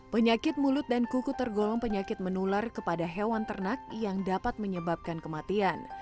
penyakit mulut dan kuku tergolong penyakit menular kepada hewan ternak yang dapat menyebabkan kematian